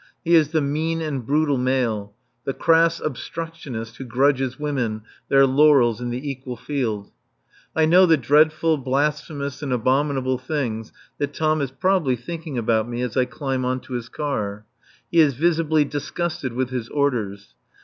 He is the mean and brutal male, the crass obstructionist who grudges women their laurels in the equal field. I know the dreadful, blasphemous and abominable things that Tom is probably thinking about me as I climb on to his car. He is visibly disgusted with his orders.